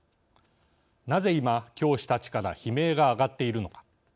なぜ今教師たちから悲鳴が上がっているのか。